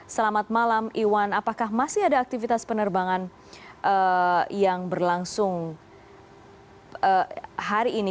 selamat malam iwan apakah masih ada aktivitas penerbangan yang berlangsung hari ini